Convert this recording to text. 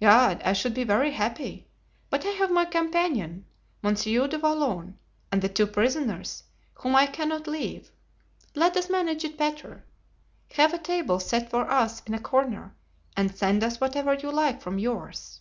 "Gad, I should be very happy, but I have my companion, Monsieur du Vallon, and the two prisoners, whom I cannot leave. Let us manage it better. Have a table set for us in a corner and send us whatever you like from yours."